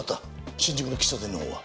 新宿の喫茶店のほうは。